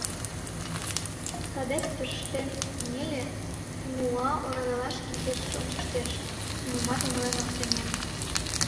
Садет тӧрштен кынеле, омыюа орадыла шке йырже ончыштеш - нимомат умылен ок сеҥе.